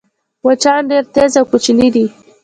مچان ډېر تېز او کوچني دي